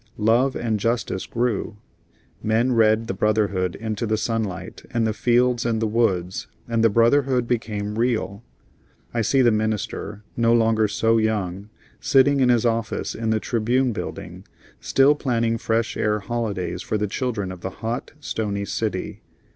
Love and justice grew; men read the brotherhood into the sunlight and the fields and the woods, and the brotherhood became real. I see the minister, no longer so young, sitting in his office in the "Tribune" building, still planning Fresh Air holidays for the children of the hot, stony city.